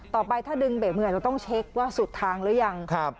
ต่อไปถ้าดึงเบรกมือเราต้องเช็คว่าสุดทางหรือยัง